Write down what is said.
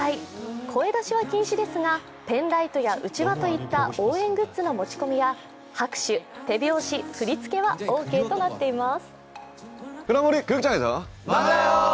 声出しは禁止ですがペンライトやうちわといった応援グッズの持ち込みや拍手、手拍子、振り付けはオーケーとなっています。